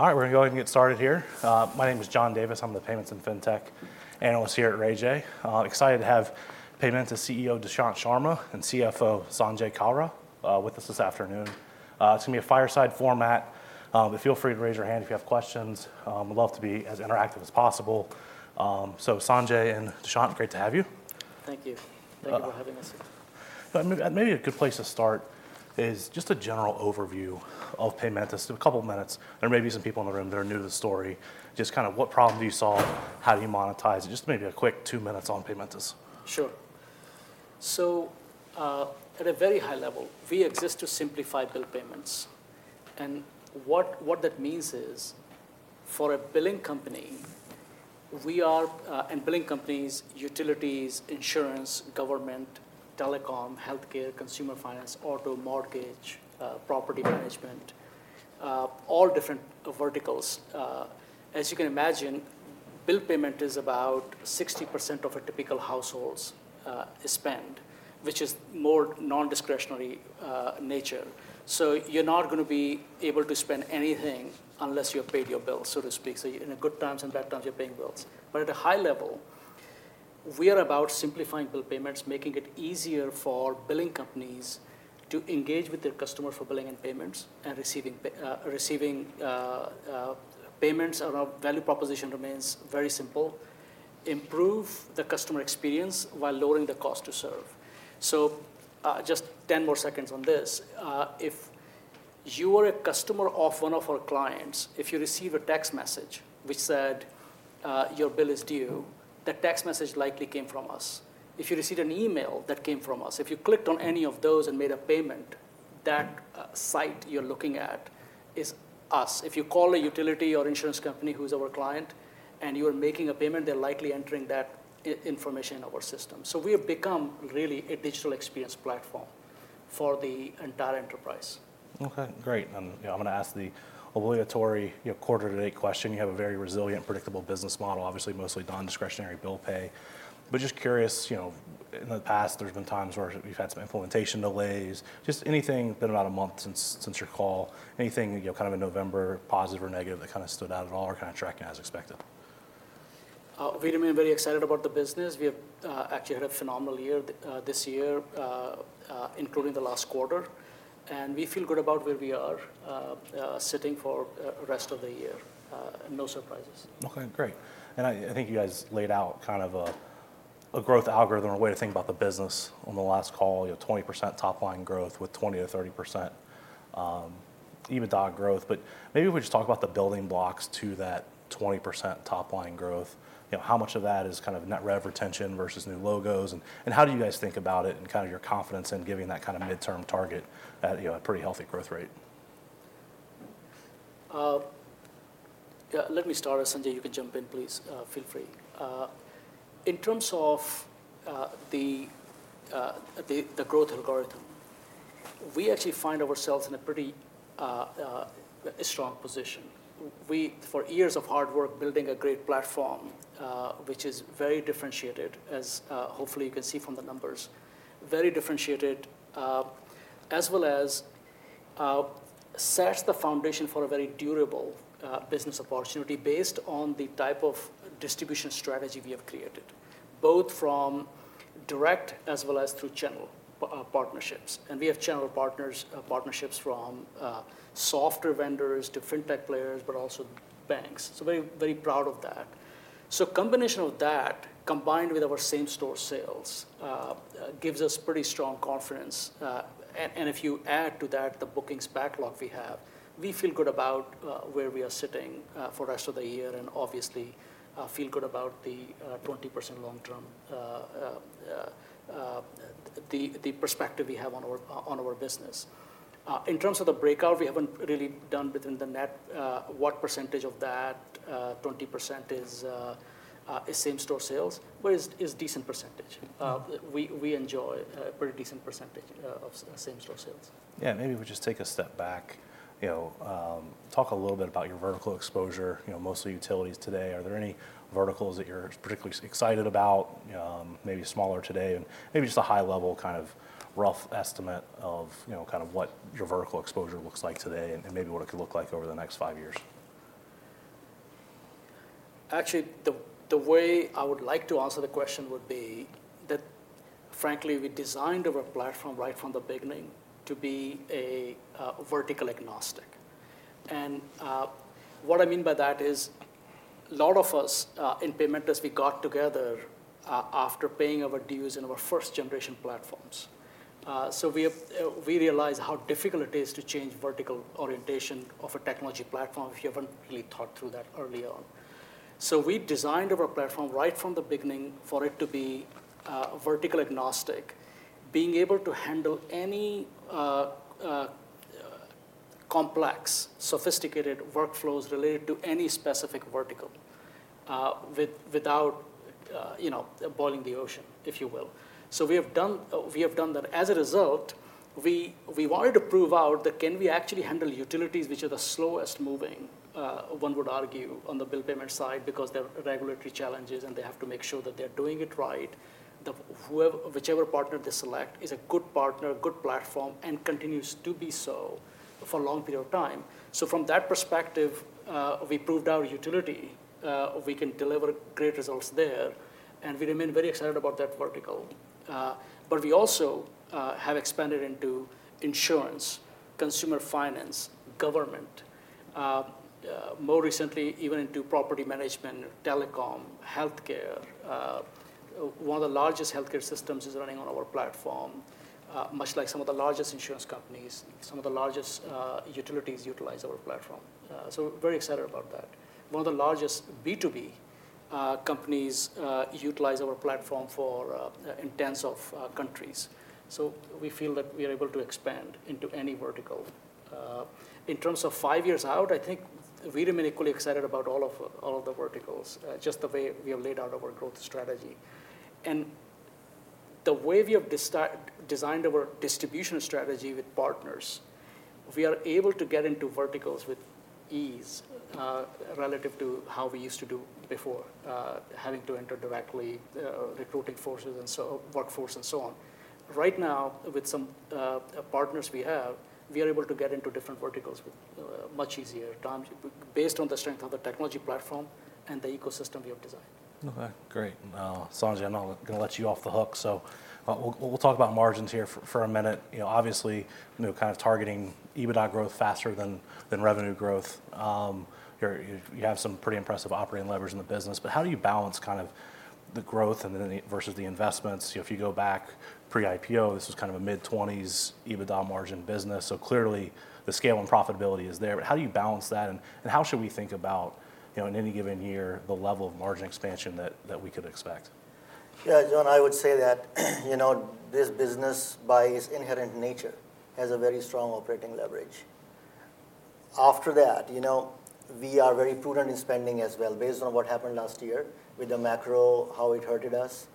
All right, we're gonna go ahead and get started here. My name is John Davis. I'm the Payments and Fintech Analyst here at Raymond James. Excited to have Paymentus CEO, Dushyant Sharma, and CFO, Sanjay Kalra, with us this afternoon. It's gonna be a fireside format, but feel free to raise your hand if you have questions. We'd love to be as interactive as possible. So Sanjay and Dushyant, great to have you. Thank you. Thank you for having us. Maybe a good place to start is just a general overview of Paymentus. Just a couple of minutes. There may be some people in the room that are new to the story. Just kind of what problem do you solve? How do you monetize it? Just maybe a quick two minutes on Paymentus. Sure. So, at a very high level, we exist to simplify bill payments. And what that means is, for a billing company, we are and billing companies, utilities, insurance, government, telecom, healthcare, consumer finance, auto, mortgage, property management, all different verticals. As you can imagine, bill payment is about 60% of a typical household's spend, which is more non-discretionary nature. So you're not gonna be able to spend anything unless you paid your bills, so to speak. So in good times and bad times, you're paying bills. But at a high level, we are about simplifying bill payments, making it easier for billing companies to engage with their customer for billing and payments, and receiving payments. Our value proposition remains very simple: improve the customer experience while lowering the cost to serve. So, just 10 more seconds on this. If you are a customer of one of our clients, if you receive a text message which said, "Your bill is due," that text message likely came from us. If you received an email, that came from us. If you clicked on any of those and made a payment, that site you're looking at is us. If you call a utility or insurance company who's our client, and you are making a payment, they're likely entering that information in our system. So we have become really a digital experience platform for the entire enterprise. Okay, great. And, you know, I'm gonna ask the obligatory, you know, quarter-to-date question. You have a very resilient, predictable business model, obviously, mostly non-discretionary bill pay. But just curious, you know, in the past, there's been times where we've had some implementation delays, just anything, been about a month since your call, anything, you know, kind of in November, positive or negative, that kind of stood out at all or kinda tracking as expected? We remain very excited about the business. We have actually had a phenomenal year, this year, including the last quarter, and we feel good about where we are sitting for rest of the year. No surprises. Okay, great. I, I think you guys laid out kind of a growth algorithm or a way to think about the business on the last call, you know, 20% top line growth with 20%-30% EBITDA growth. But maybe if we just talk about the building blocks to that 20% top line growth, you know, how much of that is kind of net rev retention versus new logos, and how do you guys think about it and kind of your confidence in giving that kind of midterm target at, you know, a pretty healthy growth rate? Yeah, let me start, and Sanjay, you can jump in, please, feel free. In terms of the growth algorithm, we actually find ourselves in a pretty strong position. For years of hard work, building a great platform, which is very differentiated, as hopefully you can see from the numbers, very differentiated, as well as sets the foundation for a very durable business opportunity based on the type of distribution strategy we have created, both from direct as well as through channel partnerships. And we have channel partners, partnerships from software vendors to fintech players, but also banks. So very, very proud of that. So combination of that, combined with our same-store sales, gives us pretty strong confidence. If you add to that, the bookings backlog we have, we feel good about where we are sitting for the rest of the year and obviously feel good about the 20% long-term perspective we have on our business. In terms of the breakout, we haven't really done within the net what percentage of that is same-store sales, but is decent percentage. We enjoy a pretty decent percentage of same-store sales. Yeah, maybe we just take a step back, you know, talk a little bit about your vertical exposure, you know, mostly utilities today. Are there any verticals that you're particularly excited about, maybe smaller today, and maybe just a high-level kind of rough estimate of, you know, kind of what your vertical exposure looks like today and, and maybe what it could look like over the next five years? Actually, the way I would like to answer the question would be that, frankly, we designed our platform right from the beginning to be a vertical agnostic. And what I mean by that is, a lot of us in Paymentus, we got together after paying our dues in our first-generation platforms. So we realize how difficult it is to change vertical orientation of a technology platform if you haven't really thought through that early on. So we designed our platform right from the beginning for it to be vertical agnostic, being able to handle any complex, sophisticated workflows related to any specific vertical, without you know, boiling the ocean, if you will. So we have done that. As a result. We wanted to prove out that can we actually handle utilities, which are the slowest moving, one would argue, on the bill payment side because there are regulatory challenges, and they have to make sure that they're doing it right. The whichever partner they select is a good partner, a good platform, and continues to be so for a long period of time. So from that perspective, we proved our utility, we can deliver great results there, and we remain very excited about that vertical. But we also have expanded into insurance, consumer finance, government, more recently, even into property management, telecom, healthcare. One of the largest healthcare systems is running on our platform, much like some of the largest insurance companies, some of the largest, utilities utilize our platform. So we're very excited about that. One of the largest B2B companies utilize our platform for in tens of countries. So we feel that we are able to expand into any vertical. In terms of five years out, I think we remain equally excited about all of the verticals just the way we have laid out our growth strategy. And the way we have designed our distribution strategy with partners, we are able to get into verticals with ease relative to how we used to do before having to enter directly recruiting forces and so, workforce and so on. Right now, with some partners we have, we are able to get into different verticals with much easier times, based on the strength of the technology platform and the ecosystem we have designed. Okay, great. Sanjay, I'm not gonna let you off the hook, so, we'll talk about margins here for a minute. You know, obviously, you know, kind of targeting EBITDA growth faster than revenue growth. You're you have some pretty impressive operating leverage in the business, but how do you balance kind of the growth and then the versus the investments? If you go back pre-IPO, this was kind of a mid-20s EBITDA margin business, so clearly the scale and profitability is there. But how do you balance that, and how should we think about, you know, in any given year, the level of margin expansion that we could expect? Yeah, John, I would say that, you know, this business, by its inherent nature, has a very strong operating leverage. After that, you know, we are very prudent in spending as well. Based on what happened last year with the macro, how it hurt us,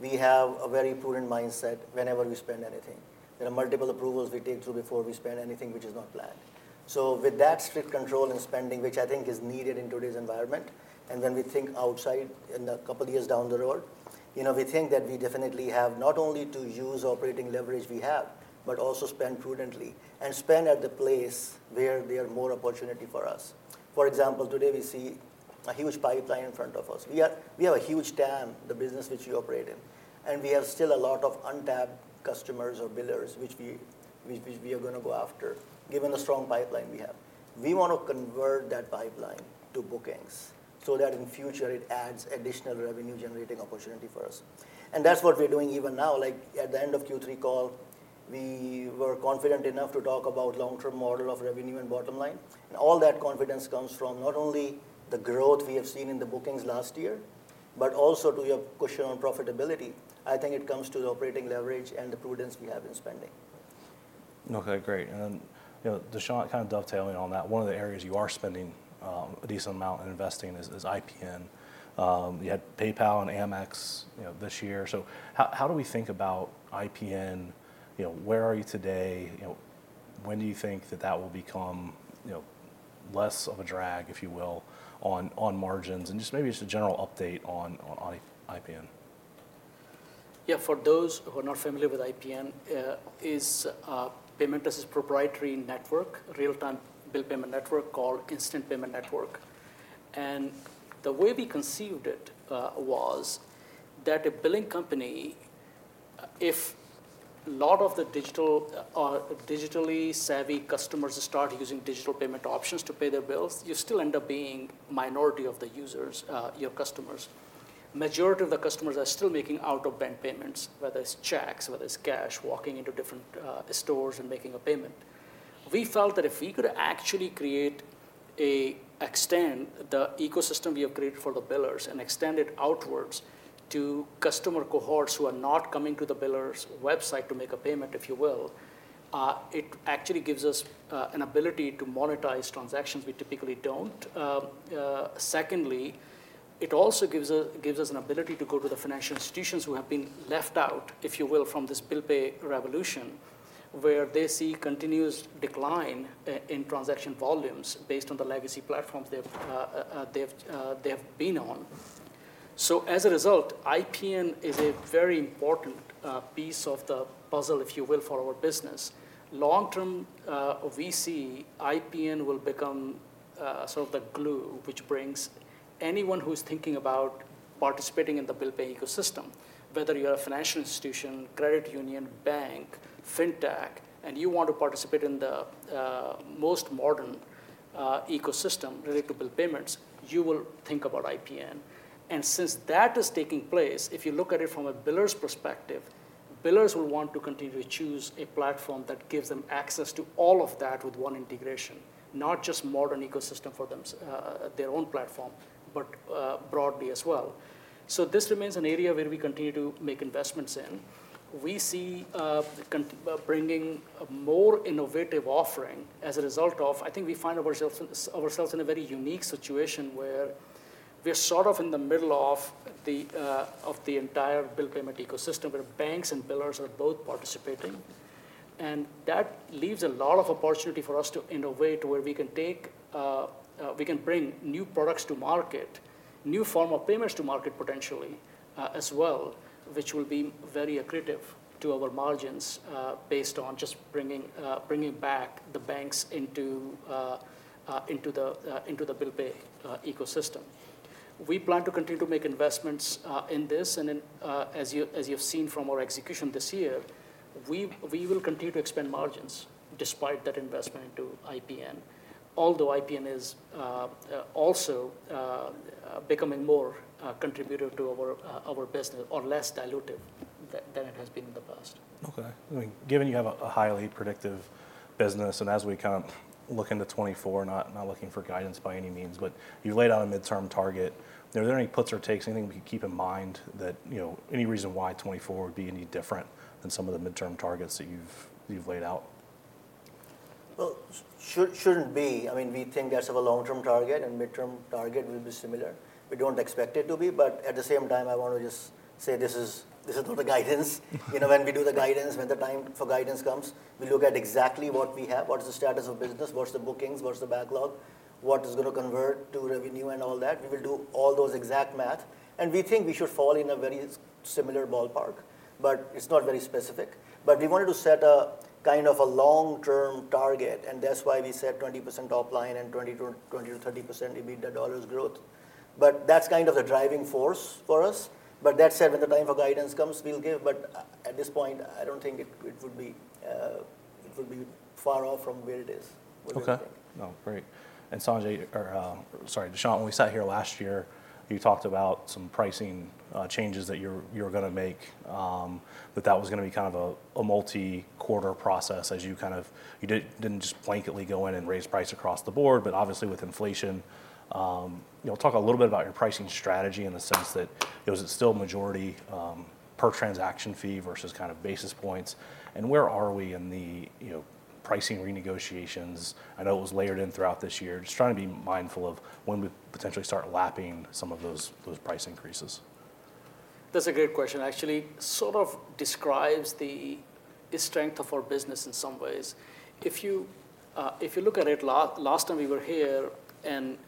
we have a very prudent mindset whenever we spend anything. There are multiple approvals we take through before we spend anything which is not planned. So with that strict control in spending, which I think is needed in today's environment, and then we think outside in a couple of years down the road, you know, we think that we definitely have not only to use operating leverage we have, but also spend prudently, and spend at the place where there are more opportunity for us. For example, today we see a huge pipeline in front of us. We have a huge TAM, the business which we operate in, and we have still a lot of untapped customers or billers, which we are gonna go after, given the strong pipeline we have. We want to convert that pipeline to bookings so that in future it adds additional revenue-generating opportunity for us. That's what we're doing even now. Like, at the end of Q3 call, we were confident enough to talk about long-term model of revenue and bottom line. All that confidence comes from not only the growth we have seen in the bookings last year, but also to your question on profitability, I think it comes to the operating leverage and the prudence we have in spending. Okay, great. And, you know, Dushyant, kind of dovetailing on that, one of the areas you are spending a decent amount in investing is IPN. You had PayPal and Amex, you know, this year. So how do we think about IPN? You know, where are you today? You know, when do you think that that will become, you know, less of a drag, if you will, on margins? And just maybe just a general update on IPN. Yeah, for those who are not familiar with IPN, Paymentus' proprietary network, real-time bill payment network called Instant Payment Network. The way we conceived it was that a billing company, if a lot of the digital, digitally savvy customers start using digital payment options to pay their bills, you still end up being minority of the users, your customers. Majority of the customers are still making out-of-band payments, whether it's checks, whether it's cash, walking into different, stores and making a payment. We felt that if we could actually create a, extend the ecosystem we have created for the billers and extend it outwards to customer cohorts who are not coming to the biller's website to make a payment, if you will, it actually gives us, an ability to monetize transactions we typically don't. Secondly, it also gives us, gives us an ability to go to the financial institutions who have been left out, if you will, from this bill pay revolution, where they see continuous decline in transaction volumes based on the legacy platforms they've been on. So as a result, IPN is a very important piece of the puzzle, if you will, for our business. Long term, we see IPN will become sort of the glue, which brings anyone who's thinking about participating in the bill pay ecosystem, whether you're a financial institution, credit union, bank, fintech, and you want to participate in the most modern ecosystem related to bill payments, you will think about IPN. Since that is taking place, if you look at it from a biller's perspective, billers will want to continue to choose a platform that gives them access to all of that with one integration, not just modern ecosystem for their own platform, but broadly as well. This remains an area where we continue to make investments in. We see bringing a more innovative offering as a result of. I think we find ourselves in a very unique situation where we're sort of in the middle of the entire bill payment ecosystem, where banks and billers are both participating. That leaves a lot of opportunity for us to innovate, where we can take, we can bring new products to market, new form of payments to market potentially, as well, which will be very accretive to our margins, based on just bringing back the banks into the bill pay ecosystem. We plan to continue to make investments in this, and then, as you've seen from our execution this year, we will continue to expand margins despite that investment into IPN. Although IPN is also becoming more contributive to our business, or less dilutive than it has been in the past. Okay. I mean, given you have a highly predictive business, and as we kind of look into 2024, not looking for guidance by any means, but you laid out a midterm target. Are there any puts or takes, anything we can keep in mind that, you know, any reason why 2024 would be any different than some of the midterm targets that you've laid out? Well, shouldn't be. I mean, we think that's a long-term target, and midterm target will be similar. We don't expect it to be, but at the same time, I want to just say this is not the guidance. You know, when we do the guidance, when the time for guidance comes, we look at exactly what we have, what is the status of business, what's the bookings, what's the backlog, what is gonna convert to revenue and all that. We will do all those exact math, and we think we should fall in a very similar ballpark, but it's not very specific. But we wanted to set a kind of a long-term target, and that's why we set 20% top line and 20%-30% EBITDA dollars growth. But that's kind of the driving force for us. But that said, when the time for guidance comes, we'll give, but at this point, I don't think it would be far off from where it is. Okay. Oh, great. And Sanjay, or, sorry, Dushyant, when we sat here last year, you talked about some pricing changes that you're, you're gonna make, but that was gonna be kind of a, a multi-quarter process as you kind of didn't just blanketly go in and raise price across the board, but obviously with inflation, you know, talk a little bit about your pricing strategy in the sense that, is it still majority per transaction fee versus kind of basis points? And where are we in the pricing renegotiations? I know it was layered in throughout this year. Just trying to be mindful of when we potentially start lapping some of those price increases. That's a great question. Actually, sort of describes the strength of our business in some ways. If you look at it last time we were here, and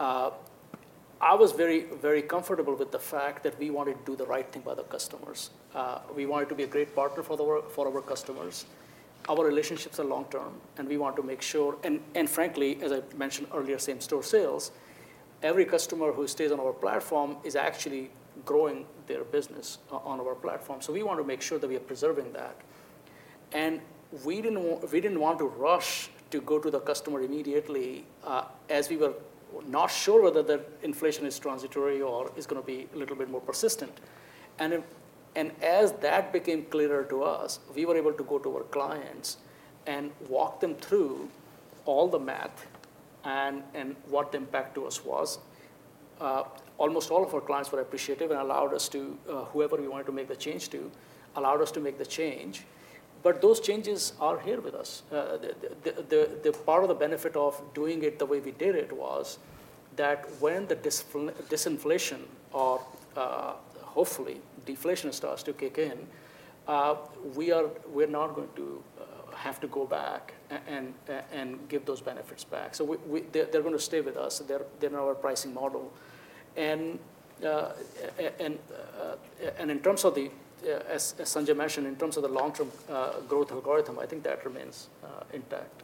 I was very, very comfortable with the fact that we wanted to do the right thing by the customers. We wanted to be a great partner for the work, for our customers. Our relationships are long term, and we want to make sure. And frankly, as I mentioned earlier, same store sales, every customer who stays on our platform is actually growing their business on our platform. So we want to make sure that we are preserving that. We didn't want to rush to go to the customer immediately, as we were not sure whether the inflation is transitory or is gonna be a little bit more persistent. If, and as that became clearer to us, we were able to go to our clients and walk them through all the math and what the impact to us was. Almost all of our clients were appreciative and allowed us to, whoever we wanted to make the change to, allowed us to make the change. But those changes are here with us. The part of the benefit of doing it the way we did it was that when the disinflation or, hopefully, deflation starts to kick in, we're not going to have to go back and give those benefits back. So we, they're gonna stay with us. They're in our pricing model. As Sanjay mentioned, in terms of the long-term growth algorithm, I think that remains intact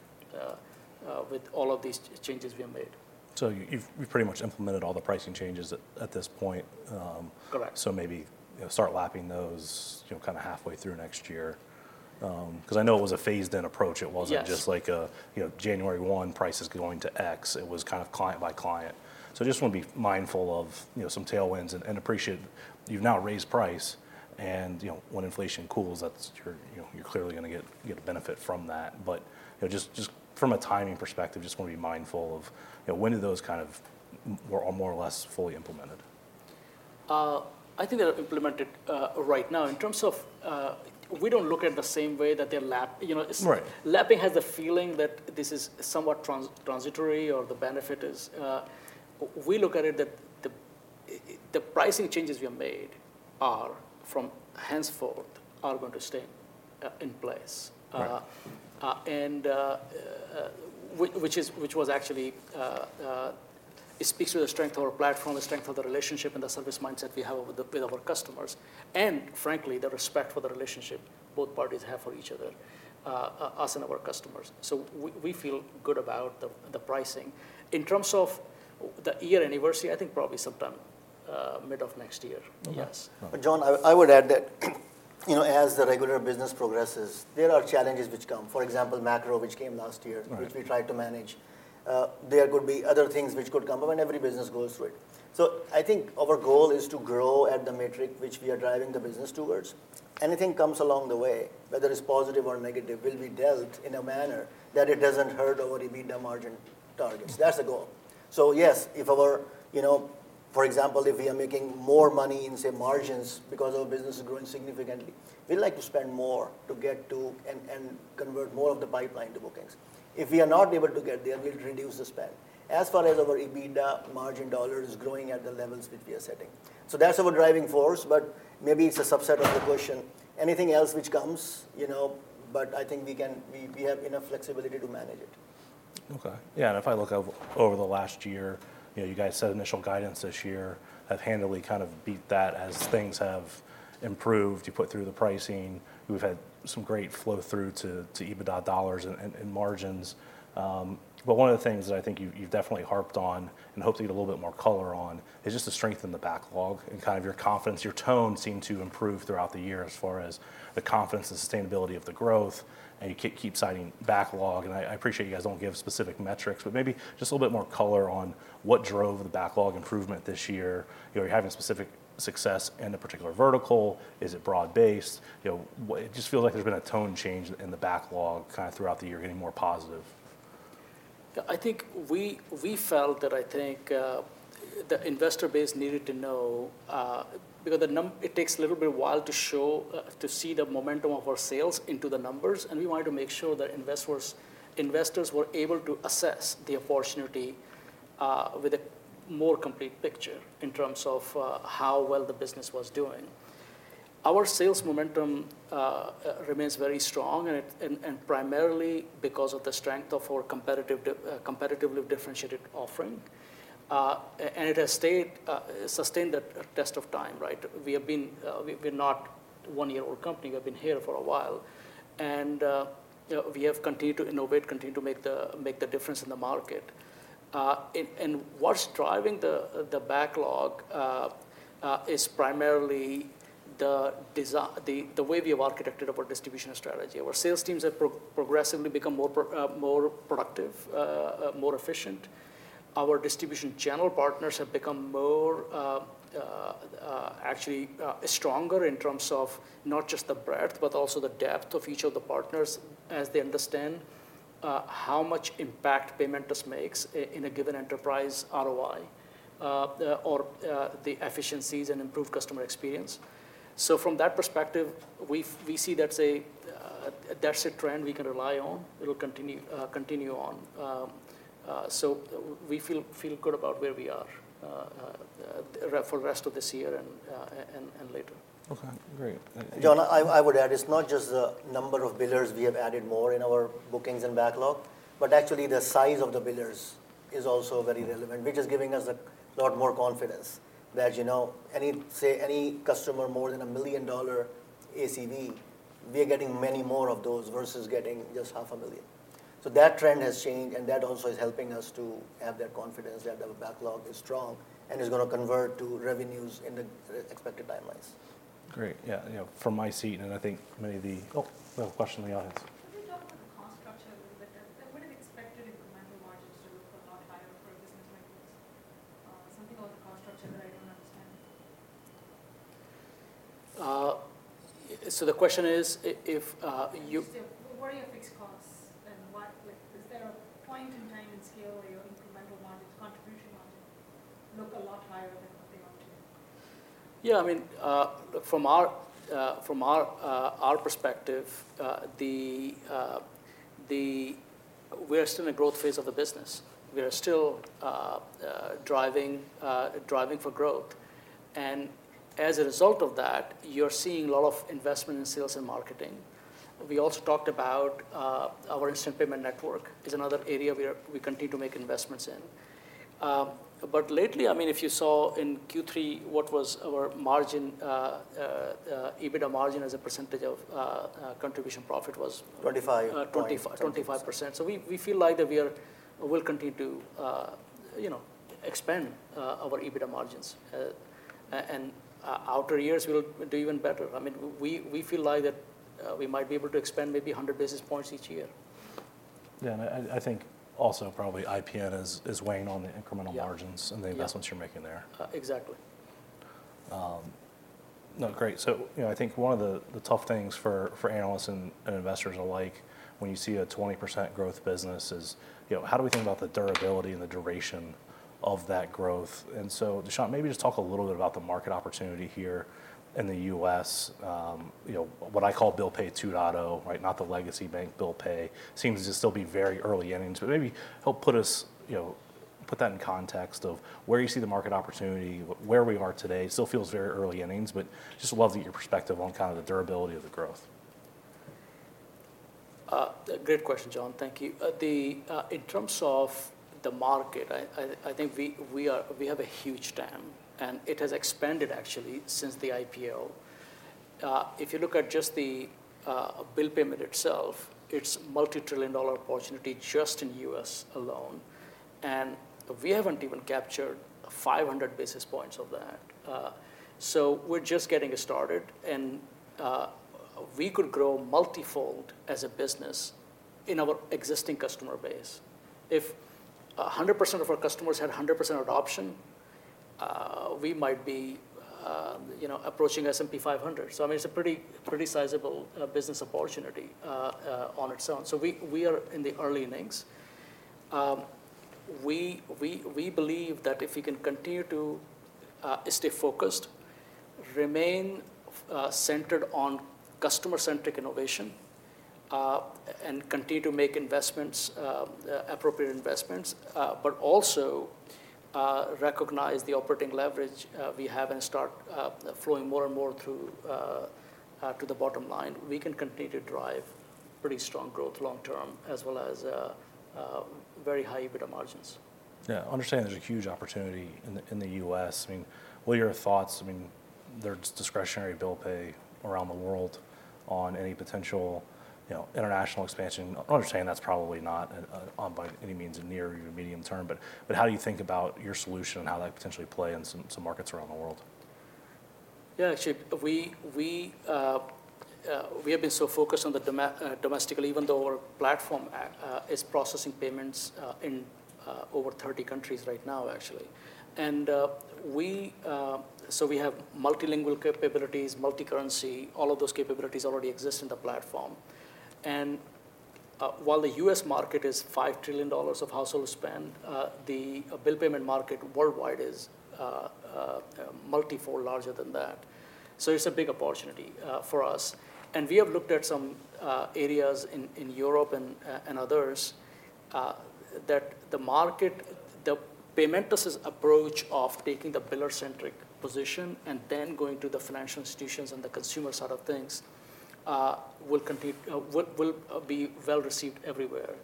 with all of these changes we have made. So you've pretty much implemented all the pricing changes at this point. Correct. So maybe, you know, start lapping those, you know, kinda halfway through next year. 'Cause I know it was a phased-in approach. Yes. It wasn't just like a, you know, January 1, price is going to X. It was kind of client by client. So I just want to be mindful of, you know, some tailwinds and appreciate you've now raised price, and, you know, when inflation cools, that's, you're, you know, you're clearly gonna get a benefit from that. But, you know, just from a timing perspective, just want to be mindful of, you know, when do those kind of more or less fully implemented? I think they are implemented right now. In terms of, we don't look at the same way that they lap, you know? Right. Lapping has the feeling that this is somewhat transitory or the benefit is. We look at it that the pricing changes we have made are from henceforth going to stay in place. Right. And which was actually it speaks to the strength of our platform, the strength of the relationship and the service mindset we have with our customers, and frankly, the respect for the relationship both parties have for each other, us and our customers. So we feel good about the pricing. In terms of the year anniversary, I think probably sometime mid of next year. Okay. Yes. But John, I would add that, you know, as the regular business progresses, there are challenges which come. For example, macro, which came last year. Right. Which we tried to manage. There could be other things which could come, but when every business goes through it. So I think our goal is to grow at the metric which we are driving the business towards. Anything comes along the way, whether it's positive or negative, will be dealt in a manner that it doesn't hurt our EBITDA margin targets. That's the goal. So yes, if our, you know, for example, if we are making more money in, say, margins because our business is growing significantly, we'd like to spend more to get to and, and convert more of the pipeline to bookings. If we are not able to get there, we'll reduce the spend. As far as our EBITDA margin dollar is growing at the levels which we are setting. So that's our driving force, but maybe it's a subset of the question. Anything else which comes, you know, but I think we can. We have enough flexibility to manage it. Okay. Yeah, and if I look over, over the last year, you know, you guys set initial guidance this year, have handily kind of beat that as things have improved. You put through the pricing, we've had some great flow-through to EBITDA dollars and margins. But one of the things that I think you've definitely harped on and hope to get a little bit more color on is just the strength in the backlog and kind of your confidence. Your tone seemed to improve throughout the year as far as the confidence and sustainability of the growth, and you keep citing backlog. And I appreciate you guys don't give specific metrics, but maybe just a little bit more color on what drove the backlog improvement this year. You know, are you having specific success in a particular vertical? Is it broad-based? You know, it just feels like there's been a tone change in the backlog kind of throughout the year, getting more positive. I think we felt that the investor base needed to know because it takes a little while to see the momentum of our sales in the numbers, and we wanted to make sure that investors were able to assess the opportunity with a more complete picture in terms of how well the business was doing. Our sales momentum remains very strong, and primarily because of the strength of our competitively differentiated offering. And it has sustained the test of time, right? We're not a one-year-old company. We've been here for a while. You know, we have continued to innovate, continued to make the difference in the market. What's driving the backlog is primarily the way we have architected our distribution strategy. Our sales teams have progressively become more productive, more efficient. Our distribution channel partners have become more actually stronger in terms of not just the breadth, but also the depth of each of the partners as they understand how much impact Paymentus makes in a given enterprise ROI, or the efficiencies and improved customer experience. So from that perspective, we see that's a trend we can rely on. It'll continue on. So we feel good about where we are for the rest of this year and later. Okay, great. Thank you. John, I would add, it's not just the number of billers we have added more in our bookings and backlog, but actually the size of the billers is also very relevant, which is giving us a lot more confidence that, you know, any, say, any customer more than $1 million ACV, we are getting many more of those versus getting just $500,000. So that trend has changed, and that also is helping us to have that confidence that the backlog is strong and is going to convert to revenues in the expected timelines. Great. Yeah, you know, from my seat, and I think maybe the. Oh, we have a question in the audience. Can you talk about the cost structure a little bit? I would have expected incremental margins to look a lot higher for a business like this. Something about the cost structure that I don't understand? So the question is if you. What are your fixed costs, and what, like. Is there a point in time and scale where your incremental margin, contribution margin, look a lot higher than what they are today? Yeah, I mean, from our perspective, the- we're still in a growth phase of the business. We are still driving for growth. And as a result of that, you're seeing a lot of investment in sales and marketing. We also talked about our Instant Payment Network is another area where we continue to make investments in. But lately, I mean, if you saw in Q3 what was our margin, EBITDA margin as a percentage of contribution profit was. 25%. 25%. So we, we feel like that we are we'll continue to, you know, expand our EBITDA margins. And outer years will do even better. I mean, we, we feel like that, we might be able to expand maybe 100 basis points each year. Yeah, and I think also probably IPN is weighing on the incremental. Yeah. Margins and the investments you're making there. Uh, exactly. No, great. So, you know, I think one of the tough things for analysts and investors alike, when you see a 20% growth business is, you know, how do we think about the durability and the duration of that growth? So, Dushyant, maybe just talk a little bit about the market opportunity here in the US. You know, what I call bill pay 2.0, right? Not the legacy bank bill pay. Seems to still be very early innings, but maybe help put us, you know, put that in context of where you see the market opportunity, where we are today. Still feels very early innings, but just love to get your perspective on kind of the durability of the growth. Great question, John. Thank you. In terms of the market, I think we have a huge TAM, and it has expanded actually since the IPO. If you look at just the bill payment itself, it's a multi-trillion-dollar opportunity just in U.S. alone, and we haven't even captured 500 basis points of that. So we're just getting it started, and we could grow multifold as a business in our existing customer base. If 100% of our customers had 100% adoption, we might be, you know, approaching S&P 500. So I mean, it's a pretty sizable business opportunity on its own. So we are in the early innings. We believe that if we can continue to stay focused, remain centered on customer-centric innovation, and continue to make investments, appropriate investments, but also recognize the operating leverage we have and start flowing more and more through to the bottom line, we can continue to drive pretty strong growth long term, as well as very high EBITDA margins. Yeah, I understand there's a huge opportunity in the U.S. I mean, what are your thoughts? I mean, there's discretionary bill pay around the world on any potential, you know, international expansion. I understand that's probably not on the horizon by any means a near or even medium term, but how do you think about your solution and how that potentially play in some markets around the world? Yeah, actually, we have been so focused domestically, even though our platform is processing payments in over 30 countries right now, actually. So we have multilingual capabilities, multicurrency, all of those capabilities already exist in the platform. And, while the U.S. market is $5 trillion of household spend, the bill payment market worldwide is multifold larger than that. So it's a big opportunity for us. And we have looked at some areas in Europe and others that the market, the Paymentus' approach of taking the payer-centric position and then going to the financial institutions and the consumer side of things will be well-received everywhere.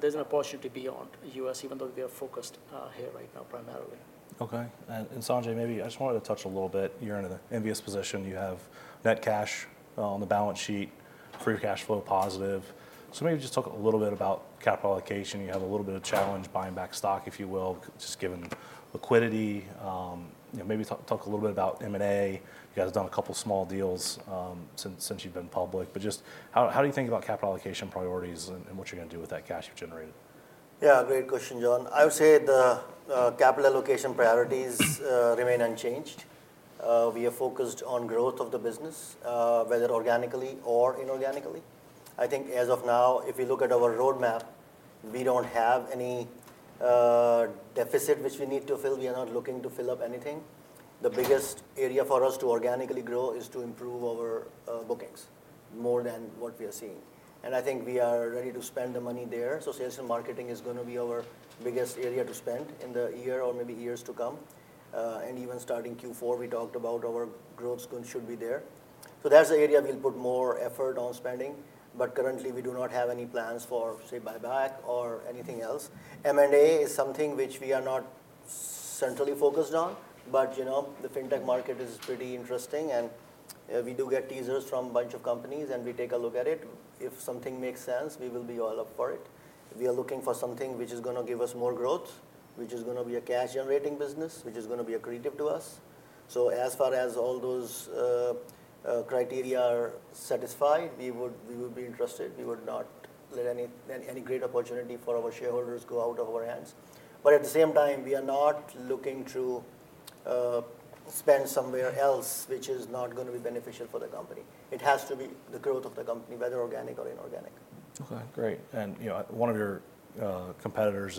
There's an opportunity beyond U.S., even though we are focused here right now, primarily. Okay. And Sanjay, maybe I just wanted to touch a little bit. You're in an envious position. You have net cash on the balance sheet, free cash flow positive. So maybe just talk a little bit about capital allocation. You have a little bit of challenge buying back stock, if you will, just given liquidity. You know, maybe talk a little bit about M&A. You guys have done a couple of small deals since you've been public, but just how do you think about capital allocation priorities and what you're going to do with that cash you've generated? Yeah, great question, John. I would say the capital allocation priorities remain unchanged. We are focused on growth of the business, whether organically or inorganically. I think as of now, if you look at our roadmap, we don't have any deficit which we need to fill. We are not looking to fill up anything. The biggest area for us to organically grow is to improve our bookings more than what we are seeing. And I think we are ready to spend the money there. So sales and marketing is gonna be our biggest area to spend in the year or maybe years to come. And even starting Q4, we talked about our growth scheme should be there. So that's the area we'll put more effort on spending, but currently, we do not have any plans for, say, buyback or anything else. M&A is something which we are not centrally focused on, but, you know, the fintech market is pretty interesting and we do get teasers from a bunch of companies, and we take a look at it. If something makes sense, we will be all up for it. We are looking for something which is gonna give us more growth, which is gonna be a cash-generating business, which is gonna be accretive to us. So as far as all those criteria are satisfied, we would be interested. We would not let any great opportunity for our shareholders go out of our hands. But at the same time, we are not looking to spend somewhere else, which is not gonna be beneficial for the company. It has to be the growth of the company, whether organic or inorganic. Okay, great. And, you know, one of your competitors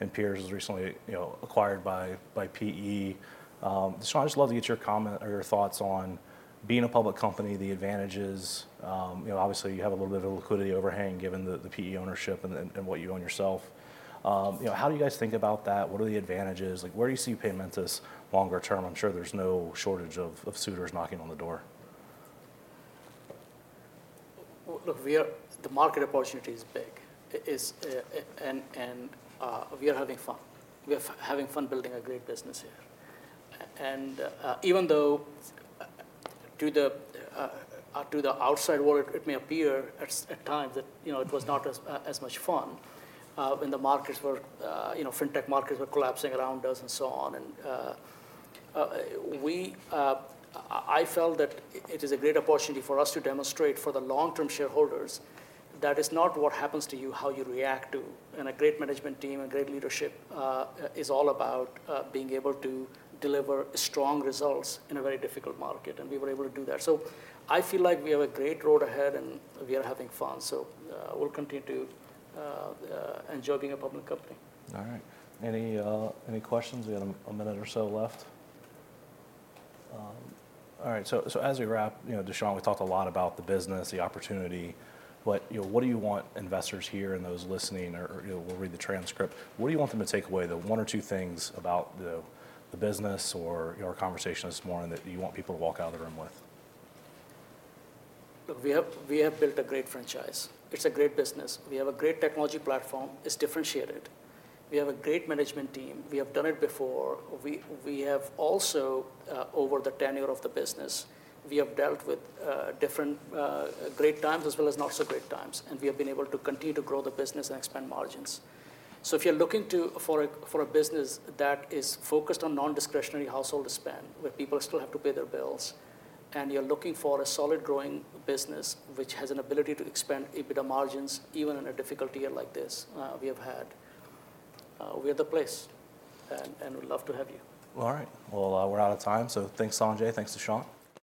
and peers was recently, you know, acquired by PE. So I'd just love to get your comment or your thoughts on being a public company, the advantages. You know, obviously, you have a little bit of a liquidity overhang, given the PE ownership and what you own yourself. You know, how do you guys think about that? What are the advantages? Like, where do you see Paymentus longer term? I'm sure there's no shortage of suitors knocking on the door. Look, we are. The market opportunity is big. It is, and we are having fun. We are having fun building a great business here. Even though to the outside world, it may appear at times that, you know, it was not as much fun when the markets were, you know, fintech markets were collapsing around us and so on. I felt that it is a great opportunity for us to demonstrate for the long-term shareholders that it's not what happens to you, how you react to, and a great management team and great leadership is all about being able to deliver strong results in a very difficult market, and we were able to do that. I feel like we have a great road ahead and we are having fun. We'll continue to enjoy being a public company. All right. Any, any questions? We have a minute or so left. All right. So, so as we wrap, you know, Dushyant, we talked a lot about the business, the opportunity, but, you know, what do you want investors here and those listening or, you know, will read the transcript, what do you want them to take away, the one or two things about the, the business or, you know, our conversation this morning that you want people to walk out of the room with? Look, we have built a great franchise. It's a great business. We have a great technology platform, it's differentiated. We have a great management team. We have done it before. We have also, over the tenure of the business, we have dealt with different great times as well as not-so-great times, and we have been able to continue to grow the business and expand margins. So if you're looking to, for a, for a business that is focused on non-discretionary household spend, where people still have to pay their bills, and you're looking for a solid, growing business which has an ability to expand EBITDA margins, even in a difficult year like this, we have had, we are the place, and we'd love to have you. All right. Well, we're out of time, so thanks, Sanjay. Thanks, Dushyant.